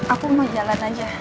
aku mau jalan aja